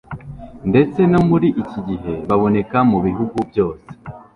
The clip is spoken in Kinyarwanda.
Ndetse no muri iki gihe baboneka mu bihugu byose